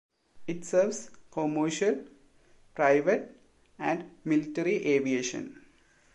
It serves commercial, private, and military aviation.